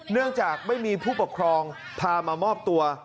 เนื่องจากไม่มีผู้ปกครองพามามอบตัว